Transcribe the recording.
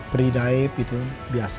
beri daib itu biasa